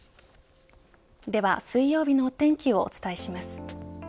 では水曜日のお天気をお伝えします。